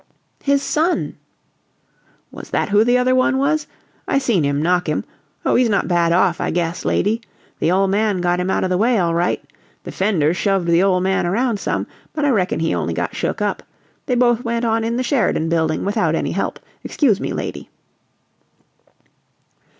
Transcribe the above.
"His SON " "Was that who the other one was? I seen him knock him oh, he's not bad off, I guess, lady. The ole man got him out of the way all right. The fender shoved the ole man around some, but I reckon he only got shook up. They both went on in the Sheridan Building without any help. Excuse me, lady."